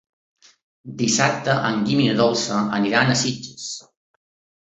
Dissabte en Guim i na Dolça aniran a Sitges.